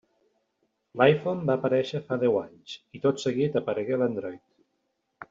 L'iPhone va aparèixer fa deu anys, i tot seguit aparegué l'Android.